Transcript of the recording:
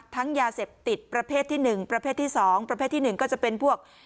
ทั้งยาเสพติดประเพศที่หนึ่งประเพศที่สองประเภทที่หนึ่งก็จะเป็นพวก